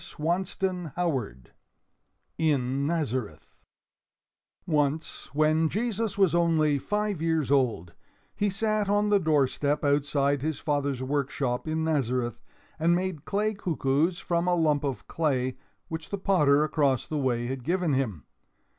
[Illustration: In Nazareth] IN NAZARETH Once, when Jesus was only five years old, he sat on the doorstep outside his father's workshop, in Nazareth, and made clay cuckoos from a lump of clay which the potter across the way had given him.